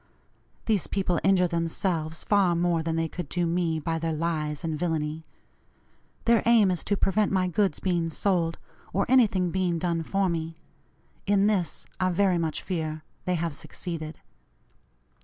These people injure themselves far more than they could do me, by their lies and villany. Their aim is to prevent my goods being sold, or anything being done for me. In this, I very much fear, they have succeeded.